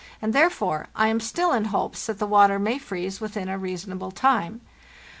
and therefore I am still in hopes that the water may freeze within a reasonable time.